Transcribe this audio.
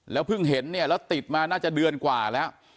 เพิ่งเห็นเนี่ยแล้วติดมาน่าจะเดือนกว่าแล้ว